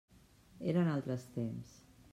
Eren altres temps.